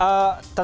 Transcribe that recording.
baik mas fadli